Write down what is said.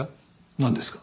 なんですか？